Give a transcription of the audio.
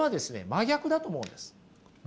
真逆だと思うんです。